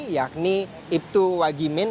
yakni ibtu wagimin